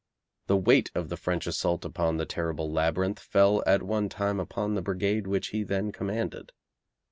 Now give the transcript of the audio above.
The weight of the French assault upon the terrible labyrinth fell at one time upon the brigade which he then commanded.